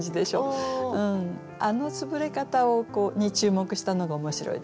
あの潰れ方に注目したのが面白いですね。